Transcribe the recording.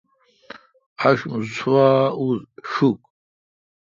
آݭم سوا اوز شوکھ۔